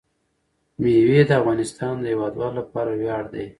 مېوې د افغانستان د هیوادوالو لپاره ویاړ دی.